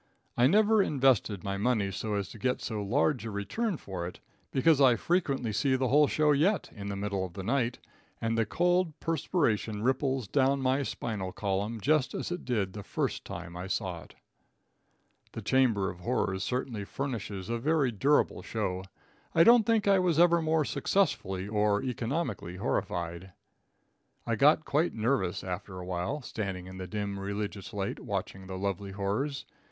I never invested my money so as to get so large a return for it, because I frequently see the whole show yet in the middle of the night, and the cold perspiration ripples down my spinal column just as it did the first time I saw it. The chamber of horrors certainly furnishes a very durable show. I don't think I was ever more successfully or economically horrified. I got quite nervous after a while, standing in the dim religious light watching the lovely horrors.